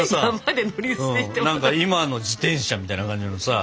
今の自転車みたいな感じのさ。